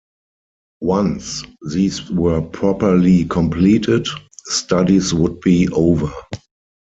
Once these were properly completed, studies would be over.